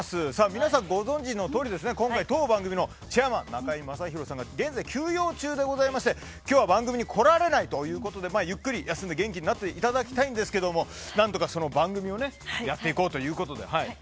皆さん、ご存じのとおり今回、当番組のチェアマン、中居正広さんが現在休養中で今日は番組に来られないということでゆっくり休んで元気になっていただきたいんですが何とか番組をやっていこうということで。